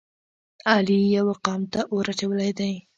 علی یوه قوم ته اور اچولی دی.